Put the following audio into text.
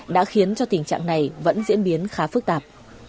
đã khiến cho tình trạng này vẫn diễn biến khá phức tạp